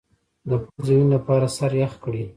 د پوزې د وینې لپاره سر یخ کړئ